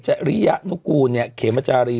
ออกคุกโบ้